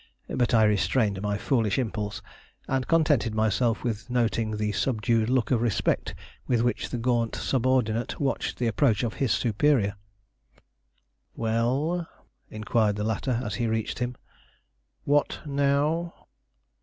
But I restrained my foolish impulse, and contented myself with noting the subdued look of respect with which the gaunt subordinate watched the approach of his superior. "Well?" inquired the latter as he reached him: "what now?"